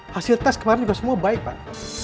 hasil tes kemarin juga semua baik pak